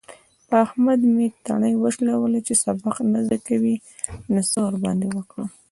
په احمد مې تڼۍ وشلولې. چې سبق نه زده کوي؛ نو څه ورباندې وکړم؟!